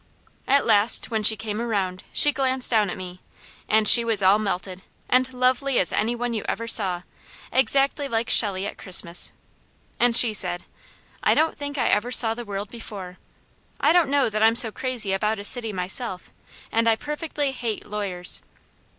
At last when she came around, she glanced down at me, and she was all melted, and lovely as any one you ever saw, exactly like Shelley at Christmas, and she said: "I don't think I ever saw the world before. I don't know that I'm so crazy about a city myself, and I perfectly hate lawyers.